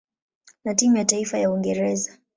na timu ya taifa ya Uingereza.